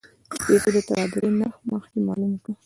د پیسو د تبادلې نرخ مخکې معلوم کړه.